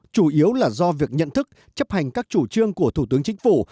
chủ yếu là do việc nhận thức chấp hành các chủ trương của thủ tướng chính phủ